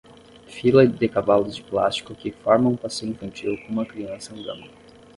Fila de cavalos de plástico que formam um passeio infantil com uma criança andando.